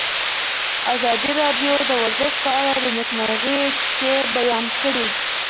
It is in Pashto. ازادي راډیو د ورزش په اړه د نېکمرغۍ کیسې بیان کړې.